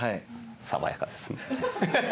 爽やかですね。